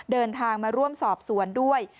เดินทางมาร่วมสอบสวนด้วย